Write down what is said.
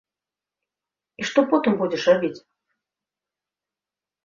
І што потым будзеш рабіць?